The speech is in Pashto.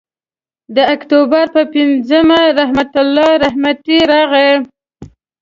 د اکتوبر پر پینځمه رحمت الله رحمتي راغی.